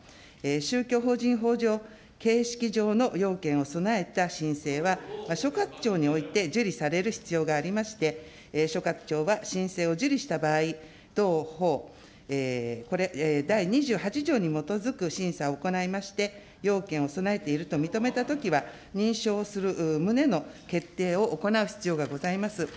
宗教法人法上、形式上の要件を備えた申請は所轄庁において受理される必要がありまして、所轄庁は申請を受理した場合、同法第２８条に基づく審査を行いまして、要件を備えていると認めたときは、認証する旨の決定を行う必要がございます。